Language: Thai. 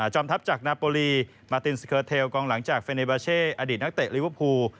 อมทัพจากนาโปรลีมาตินสเคอร์เทลกองหลังจากเฟเนบาเช่อดีตนักเตะลิเวอร์พูล